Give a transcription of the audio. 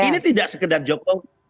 ini tidak sekedar jokowi